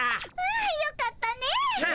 あよかったねえ。